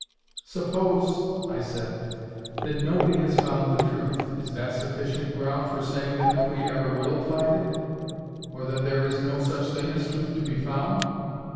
"Suppose," I said, "that nobody has found the truth, is that sufficient ground for saying that nobody ever will find it? or that there is no such thing as truth to be found?